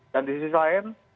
dan di sisi lain